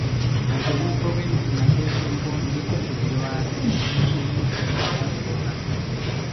Aunque muy joven en aquel tiempo Nikko sirvió a Nichiren de manera devota.